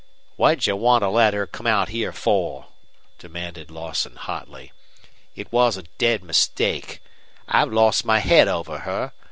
"What'd you want to let her come out here for?" demanded Lawson, hotly. "It was a dead mistake. I've lost my head over her.